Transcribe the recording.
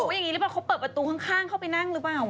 หรือเปรงกับประตูข้างค้างเข้าไปนั่งหรือเปล่า